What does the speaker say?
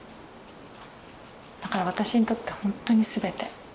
だから私にとってはほんとに全て。